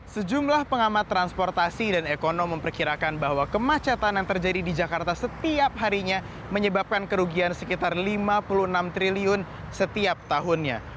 sejumlah pengamat transportasi dan ekonom memperkirakan bahwa kemacetan yang terjadi di jakarta setiap harinya menyebabkan kerugian sekitar lima puluh enam triliun setiap tahunnya